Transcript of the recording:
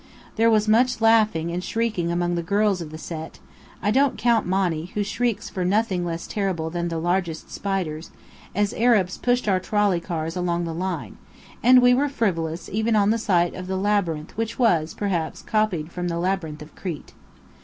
There was much laughing and shrieking among the girls of the Set (I don't count Monny, who shrieks for nothing less terrible than the largest spiders) as Arabs pushed our trolley cars along the line; and we were frivolous even on the site of the labyrinth which was, perhaps, copied from the Labyrinth of Crete.